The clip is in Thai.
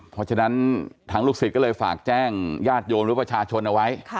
เพราะฉะนั้นทางลูกศิษย์ก็เลยฝากแจ้งญาติโยมหรือประชาชนเอาไว้